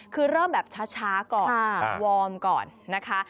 คือเริ่มแบบช้าก่อนวอร์มก่อนนะคะ